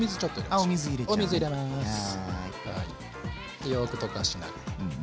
でよく溶かしながら。